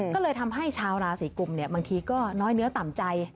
ก็เลยทำให้ชาวราศีกุมบางทีก็น้อยเนื้อต่ำใจ